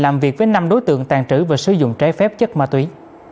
làm việc với năm đối tượng tàn trữ và sử dụng trái phép chất ma túy